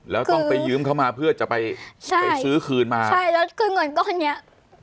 แล้วต้องไปยืมเขามาเพื่อจะไปใช่ไปซื้อคืนมาใช่แล้วคือเงินก้อนเนี้ย